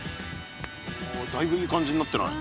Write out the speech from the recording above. だいぶいい感じになってない？